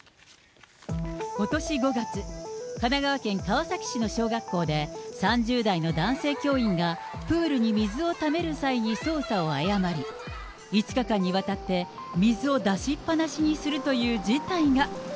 ことし５月、神奈川県川崎市の小学校で、３０代の男性教員がプールに水をためる際に操作を誤り、５日間にわたって水を出しっぱなしにするという事態が。